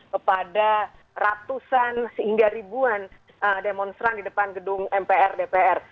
kepada ratusan sehingga ribuan demonstran di depan gedung mpr dpr